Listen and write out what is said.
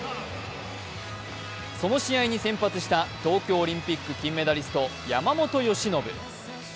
その試合に先発した東京オリンピック金メダリスト、山本由伸。